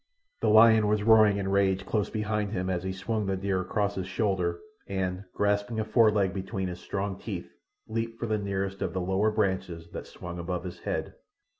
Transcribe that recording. The lion was roaring in rage close behind him as he swung the deer across his shoulder, and, grasping a foreleg between his strong teeth, leaped for the nearest of the lower branches that swung above his head.